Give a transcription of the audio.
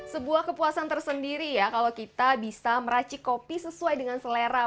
sebuah kepuasan tersendiri ya kalau kita bisa meracik kopi sesuai dengan selera